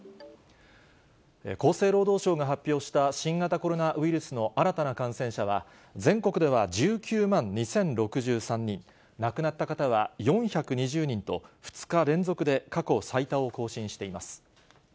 厚生労働省が発表した新型コロナウイルスの新たな感染者は、全国では１９万２０６３人、亡くなった方は４２０人と、２日連続で過去最多を更新しています。